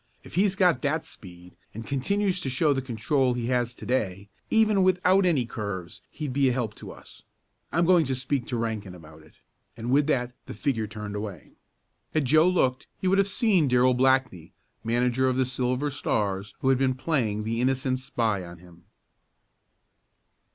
"If he's got that speed, and continues to show the control he has to day, even without any curves he'd be a help to us. I'm going to speak to Rankin about it," and with that the figure turned away. Had Joe looked he would have seen Darrell Blackney, manager of the Silver Stars, who had been playing the innocent spy on him.